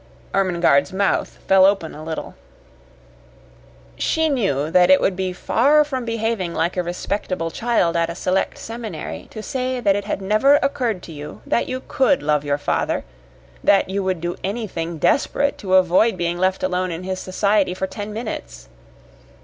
Ermengarde's mouth fell open a little. She knew that it would be far from behaving like a respectable child at a select seminary to say that it had never occurred to you that you COULD love your father, that you would do anything desperate to avoid being left alone in his society for ten minutes.